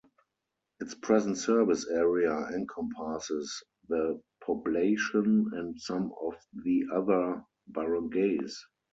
Its present service area encompasses the poblacion and some of the other barangays.